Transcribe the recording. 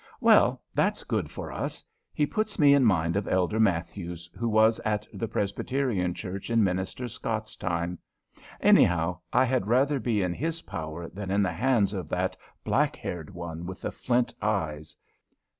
"Well, that's good for us. He puts me in mind of Elder Mathews, who was at the Presbyterian Church in minister Scott's time. Anyhow, I had rather be in his power than in the hands of that black haired one with the flint eyes.